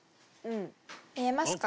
見えますか？